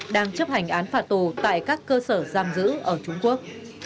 đang chấp hành án phạt tù tại các cơ sở giam giữ ở trung quốc